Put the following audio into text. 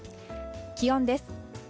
気温です。